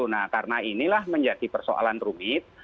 nah karena inilah menjadi persoalan rumit